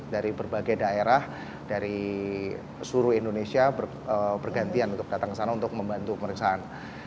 dari berbagai daerah dari suru indonesia bergantian untuk datang kesana untuk membantu periksaan